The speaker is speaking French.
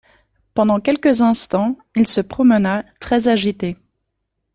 Pendant quelques instants, il se promena, très-agité.